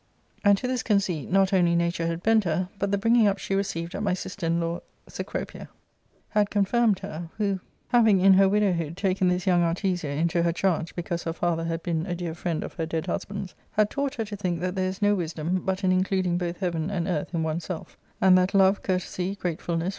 And to this conceit not only ^ 80 •ARCADIA,' Book L nature had bent her, but the bringing up she received at my sister in»law, ^ecropia, had confirmed her, who, having in her widowhood taken this young Artesia into her charge because her father had been a dear friend of her dead husband's, had taught her to think that there is no wisdom but in including both heaven and earth in one's self, and that love, courtesy, gratefulness,'frien?